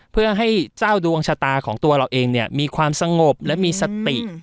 เพื่อให้เจ้าดวงชะตาของตัวเราเองมีความสงบและมีสติ